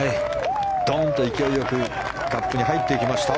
ドンと勢い良くカップに入っていきました。